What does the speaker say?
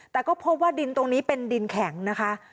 แต่ก็พบว่าดินตรงนี้เป็นดินแข็งนะคะ